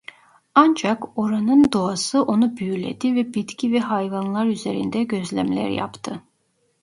Ancak oranın doğası onu büyüledi ve bitki ve hayvanlar üzerinde gözlemler yaptı.